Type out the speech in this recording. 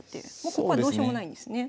ここはどうしようもないんですね。